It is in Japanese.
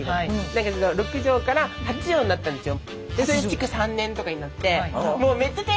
だけど６畳から８畳になったんですよ。